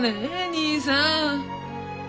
兄さん。